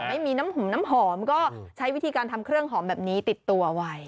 ไม่มีน้ำหุมน้ำหอมก็ใช้วิธีการทำเครื่องหอมแบบนี้ติดตัวไว้